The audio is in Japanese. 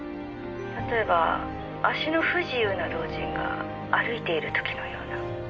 「例えば足の不自由な老人が歩いている時のような」